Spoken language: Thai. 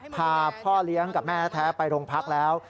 พาพ่อเลี้ยงกับแม่แท้ไปโรงพักแล้ว